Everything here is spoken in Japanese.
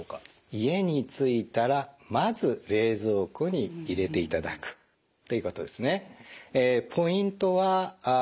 家に着いたらまず冷蔵庫に入れていただくということですね。